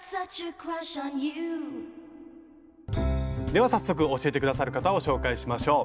では早速教えて下さる方を紹介しましょう。